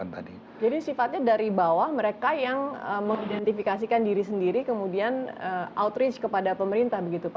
jadi sifatnya dari bawah mereka yang mengidentifikasikan diri sendiri kemudian outreach kepada pemerintah begitu pak